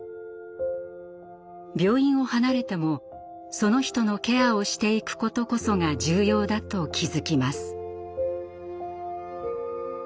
病院を離れてもその人のケアをしていくことこそが重要だと気付きます。